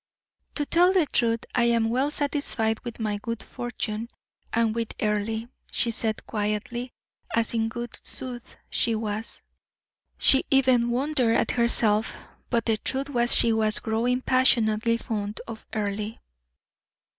"To tell the truth, I am well satisfied with my good fortune, and with Earle," she said, quietly, as in good sooth she was. She even wondered at herself, but the truth was she was growing passionately fond of Earle.